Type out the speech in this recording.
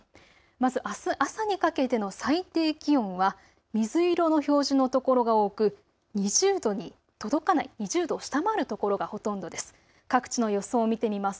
まずあす朝にかけての最低気温は水色の表示の所が多く２０度に届かない、２０度を下回るところがほとんどです。